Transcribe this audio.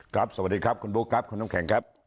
สวัสดีครับคุณบุ๊คครับคุณน้ำแข็งครับ